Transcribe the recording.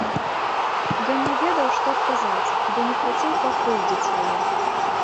Ён не ведаў, што адказаць, бо не хацеў пакрыўдзіць яе.